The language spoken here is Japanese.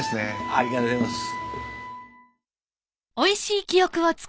ありがとうございます。